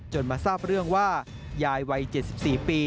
มาทราบเรื่องว่ายายวัย๗๔ปี